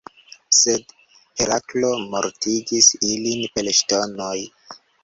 Sed Heraklo mortigis ilin per ŝtonoj.